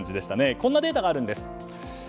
こんなデータがあるんです。